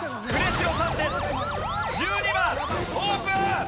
１２番オープン！